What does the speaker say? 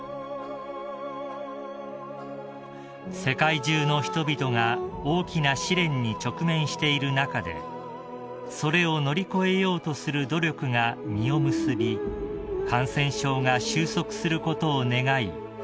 ［世界中の人々が大きな試練に直面している中でそれを乗り越えようとする努力が実を結び感染症が終息することを願い